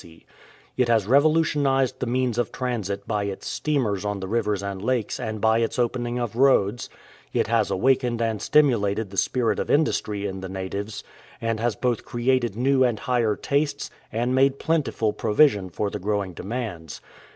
It has revolutionized the means of transit by its steamers on the rivers and lakes and by its opening of roads, it has awakened and stimu lated the spirit of industry in the natives, and has both created new and higher tastes and made plentiful pro \*ision for the growing demands.